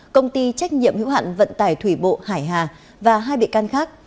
công ty trách nhiệm hữu hạn vận tải thủy bộ hải hà và hai bị can khác